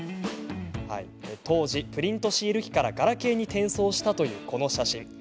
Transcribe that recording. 当時、プリントシール機からガラケーに転送したというこの写真。